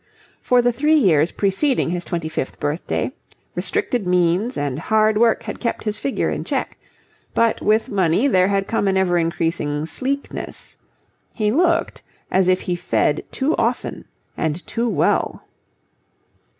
For the three years preceding his twenty fifth birthday, restricted means and hard work had kept his figure in check; but with money there had come an ever increasing sleekness. He looked as if he fed too often and too well.